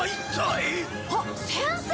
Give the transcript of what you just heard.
あっ先生！